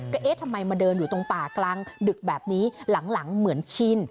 ก็เอ๊ะทำไมมาเดินอยู่ตรงป่ากลางดึกแบบนี้หลังเหมือนชิน